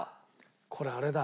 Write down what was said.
これあれだ。